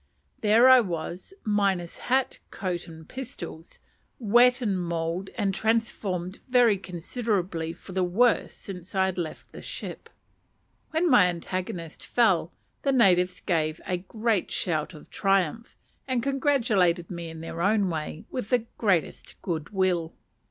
There I stood, minus hat, coat, and pistols; wet and mauled, and transformed very considerably for the worse since I left the ship. When my antagonist fell, the natives gave a great shout of triumph, and congratulated me in their own way with the greatest good will.